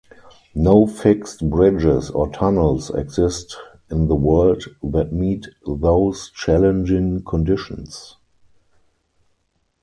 No fixed bridges or tunnels exist in the world that meet those challenging conditions.